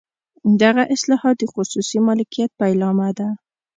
دغه اصلاحات د خصوصي مالکیت پیلامه ده.